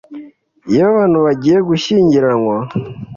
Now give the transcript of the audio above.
iyo abantu bagiye gushyingiranwa